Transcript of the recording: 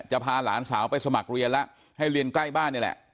พาหลานสาวไปสมัครเรียนแล้วให้เรียนใกล้บ้านนี่แหละ